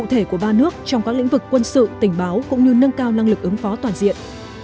các chức năng cụ thể của ba nước trong các lĩnh vực quân sự tình báo cũng như nâng cao năng lực ứng phó toàn diện